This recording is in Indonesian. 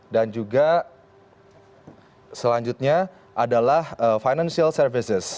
dan juga selanjutnya adalah financial services